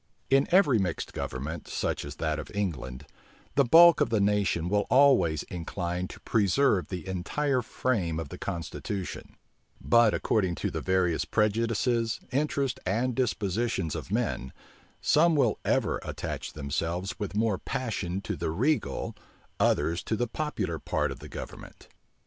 In every mixed government, such as that of England, the bulk of the nation will always incline to preserve the entire frame of the constitution; but according to the various prejudices, interests, and dispositions of men, some will ever attach themselves with more passion to the regal, others to the popular part of the government.